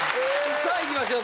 ・さあいきましょう！